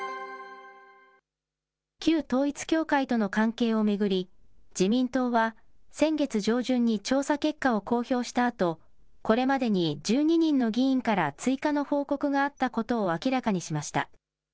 旧統一教会との関係を巡り、自民党は先月上旬に調査結果を公表したあと、これまでに１２人の議員から追加の報告があったことを明らかにしました。